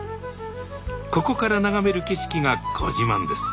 ここから眺める景色がご自慢です。